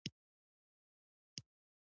ایا ستاسو ژبه خوږه نه ده؟